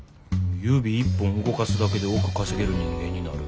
指一本動かすだけで億稼げる人間になる。